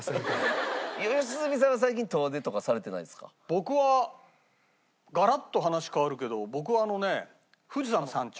僕はガラッと話変わるけど僕はあのね富士山の山頂。